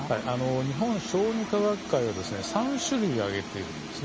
日本小児科学会は３種類、挙げているんです。